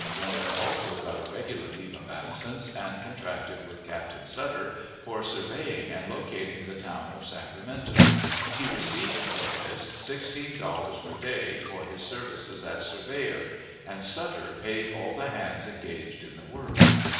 Warner also got a regular leave of absence, and contracted with Captain Sutter for surveying and locating the town of Sacramento. He received for this sixteen dollars per day for his services as surveyor; and Sutter paid all the hands engaged in the work.